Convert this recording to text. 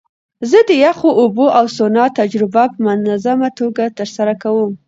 زه د یخو اوبو او سونا تجربه په منظمه توګه ترسره کوم.